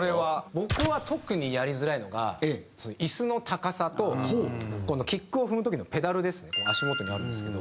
僕は特にやりづらいのが椅子の高さとキックを踏む時のペダルですね足元にあるんですけど。